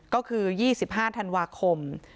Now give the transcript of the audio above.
ก็คือ๒๕ธันวาคม